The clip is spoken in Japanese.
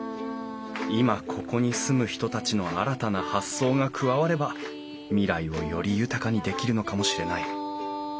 今ここに住む人たちの新たな発想が加われば未来をより豊かにできるのかもしれない。